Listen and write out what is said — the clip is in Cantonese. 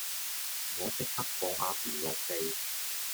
我即刻放阿 B 落地